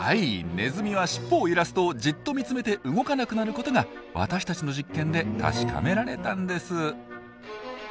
ネズミはしっぽを揺らすとじっと見つめて動かなくなることが私たちの実験で確かめられたんです。